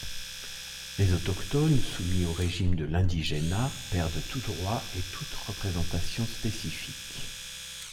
Les autochtones, soumis au régime de l'indigénat, perdent tout droit et toute représentation spécifique.